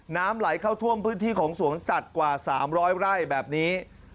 น้ำไหลเข้าท่วมพื้นที่ของสวนสัตว์กว่า๓๐๐ไร่แบบนี้